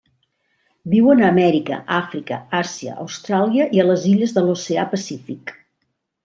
Viuen a Amèrica, Àfrica, Àsia, Austràlia i a les illes de l'oceà Pacífic.